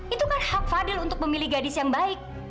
itu kan hak fadil untuk memilih gadis yang baik